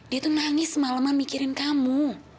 dia tuh nangis semalaman mikirin kamu